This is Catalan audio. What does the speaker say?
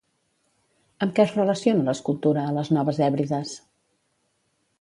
Amb què es relaciona l'escultura a les Noves Hèbrides?